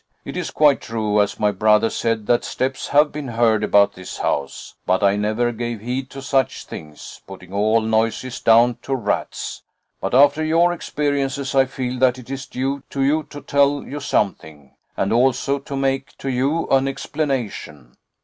It is quite true, as my brother said, that steps have been heard about this house, but I never gave heed to such things, putting all noises down to rats. But after your experiences I feel that it is due to you to tell you something, and also to make to you an explanation.